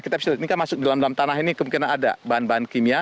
kita bisa lihat ini kan masuk dalam tanah ini kemungkinan ada bahan bahan kimia